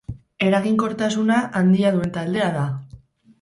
Eraginkortasuna handia duen taldea da.